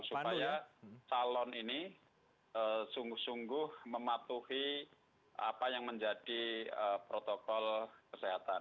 supaya calon ini sungguh sungguh mematuhi apa yang menjadi protokol kesehatan